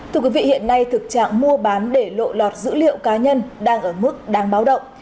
thưa quý vị hiện nay thực trạng mua bán để lộ lọt dữ liệu cá nhân đang ở mức đáng báo động